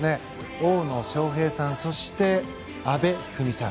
大野将平さんそして阿部一二三さん。